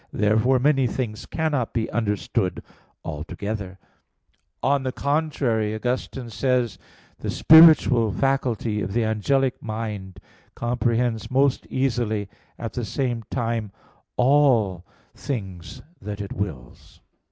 Therefore many things cannot be understood altogether. On the contrary, Augustine says (Gen. ad lit. iv, 32): "The spiritual faculty of the angelic mind comprehends most easily at the same time all things that it wills."